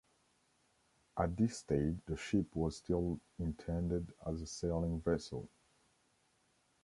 At this stage the ship was still intended as a sailing vessel.